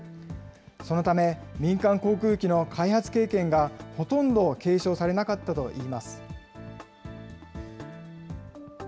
そのため、民間航空機の開発経験がほとんど継承されなかったといいます。